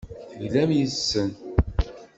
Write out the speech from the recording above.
Teglam yes-sen.